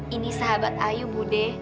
ini sahabat ayu budetari